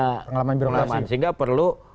pengalaman birokrasi sehingga perlu